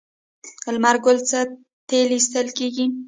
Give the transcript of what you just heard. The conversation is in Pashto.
د لمر ګل څخه تیل ایستل کیږي.